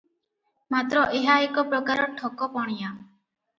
ମାତ୍ର ଏହା ଏକ ପ୍ରକାର ଠକ ପଣିଆ ।